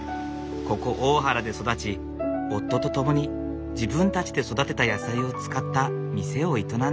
ここ大原で育ち夫と共に自分たちで育てた野菜を使った店を営んでいる。